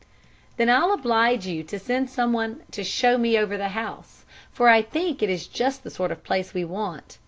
"Then I'll oblige you to send someone to show me over the house, for I think it is just the sort of place we want.